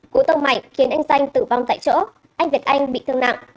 cú tông mạnh khiến anh danh tử vong tại chỗ anh việt anh bị thương nặng